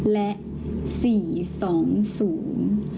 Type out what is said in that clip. และ๔๒สูง